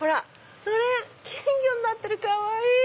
のれん金魚になってるかわいい！